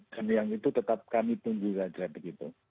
dan yang itu tetap kami pun juga jelati gitu